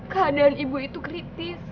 keadaan ibu itu kritis